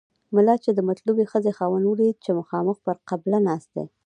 ملا چې د مطلوبې ښځې خاوند ولید چې مخامخ پر قبله ناست دی.